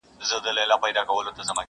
هغه بورا وي همېشه خپله سینه څیرلې٫